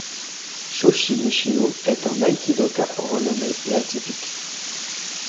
Shoji Nishio est un aikidoka renommé et atypique.